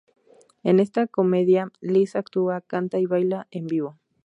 En esta comedia Liz actúa, canta y baila en vivo.